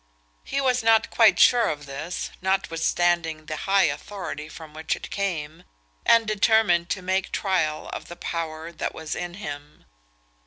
He was not quite sure of this, notwithstanding the high authority from which it came, and determined to make trial of the power that was in him.